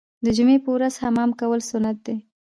د جمعې په ورځ حمام کول سنت دي.